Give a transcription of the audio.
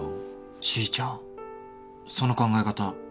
じいちゃんその考え方